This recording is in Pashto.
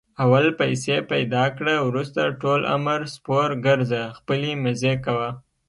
اول پیسې پیدا کړه، ورسته ټول عمر سپورګرځه خپلې مزې کوه.